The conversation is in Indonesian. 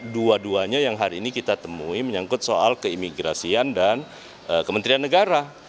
dua duanya yang hari ini kita temui menyangkut soal keimigrasian dan kementerian negara